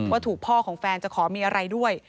ว่าถูกพ่อของแฟนจะขอมีอะไรด้วย